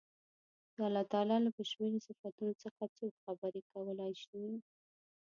د الله تعالی له بې شمېرو صفتونو څخه څوک خبرې کولای شي.